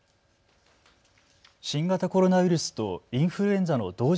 新型コロナウイルスとインフルエンザの同時